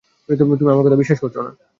তুমি আমার কথা বিশ্বাস করছ না!